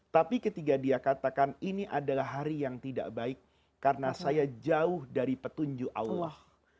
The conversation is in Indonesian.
tapi ketika dia katakan ini adalah hari yang tidak baik karena saya jauh dari petunjuk allah